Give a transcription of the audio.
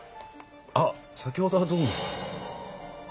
あっ先ほどはどうも。